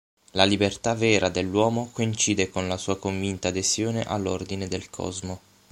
La libertà "vera" dell'uomo coincide con la sua convinta adesione all'ordine del cosmo.